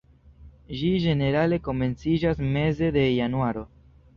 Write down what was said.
Ĝi ĝenerale komenciĝas meze de januaro.